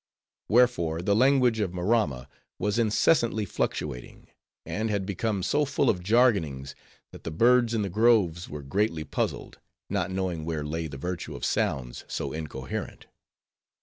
Wherefore, the language of Maramma was incessantly fluctuating; and had become so full of jargonings, that the birds in the groves were greatly puzzled; not knowing where lay the virtue of sounds, so incoherent.